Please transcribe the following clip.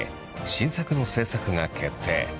新作の制作が決定。